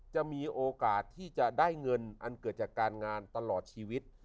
จะมีโอกาสที่จะได้เงินอันเกิดจากการงานตลอดชีวิต